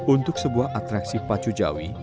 untuk sebuah atraksi pacu jawi